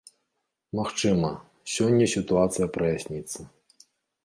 Магчыма, сёння сітуацыя праясніцца.